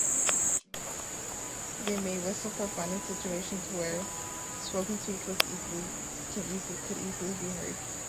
They may whistle for fun in situations where spoken speech could easily be heard.